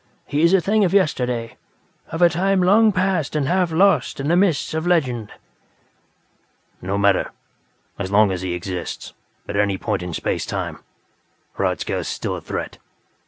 "He is a thing of yesterday; of a time long past and half lost in the mists of legend." "No matter. As long as he exists, at any point in space time, Hradzka is still a threat.